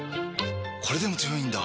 これでも強いんだ！